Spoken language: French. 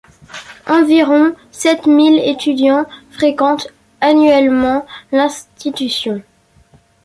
Environ sept mille étudiants fréquentent annuellement l’institution.